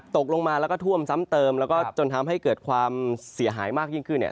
ตกลงมาแล้วก็ท่วมซ้ำเติมแล้วก็จนทำให้เกิดความเสียหายมากยิ่งขึ้นเนี่ย